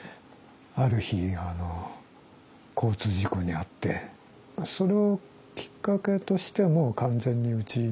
ある日あの交通事故に遭ってそれをきっかけとしてもう完全に家猫にして。